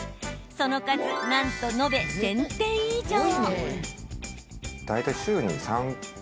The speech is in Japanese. その数なんと延べ１０００店以上。